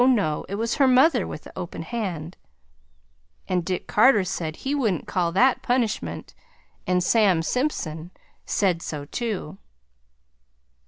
no, it was her mother with the open hand; and Dick Carter said he wouldn't call that punishment, and Sam Simpson said so too.